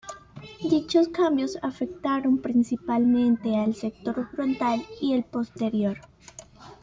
Dichos cambios afectan principalmente el sector frontal y el posterior.